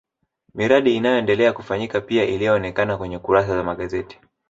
miradi inayoendelea kufanyika pia ilionekana kwenye kurasa za magazeti